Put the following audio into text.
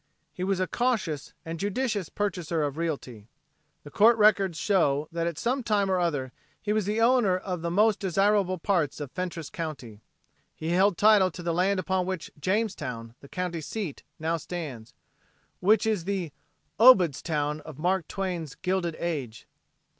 He was a cautious and judicious purchaser of realty. The court records show that at some time or other he was the owner of the most desirable parts of Fentress county. He held title to the land upon which Jamestown, the county seat, now stands, which is the "Obedstown" of Mark Twain's "Gilded Age."